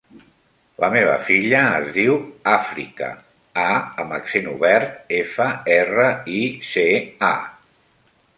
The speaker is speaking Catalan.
La meva filla es diu Àfrica: a amb accent obert, efa, erra, i, ce, a.